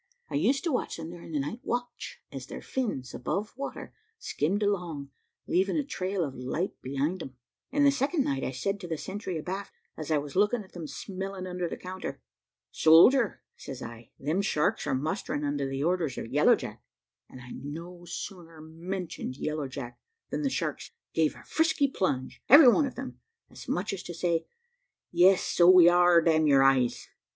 I used to watch them during the night watch, as their fins, above water, skimmed along, leaving a trail of light behind them; and the second night I said to the sentry abaft, as I was looking at them smelling under the counter `Soldier,' says I, `them sharks are mustering under the orders of Yellow Jack;' and I no sooner mentioned Yellow Jack, than the sharks gave a frisky plunge, every one of them, as much as to say, `Yes, so we are, damn your eyes.'